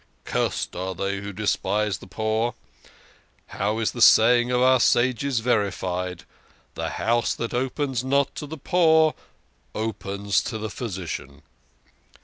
Cursed are they who despise the poor. How is the saying of our sages verified 'The house that opens not to the poor opens to the physician.'